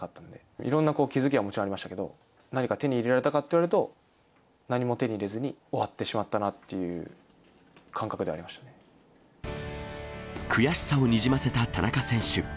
いろんな気付きはもちろんありましたけど、何か手に入れられたかといわれると、何も手に入れずに終わってしまったなっていう感覚悔しさをにじませた田中選手。